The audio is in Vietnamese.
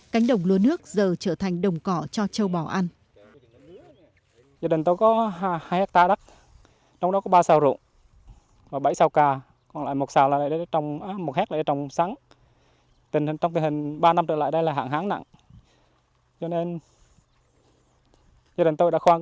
cánh đồng lúa nước giờ trở thành đồng cỏ cho châu bò ăn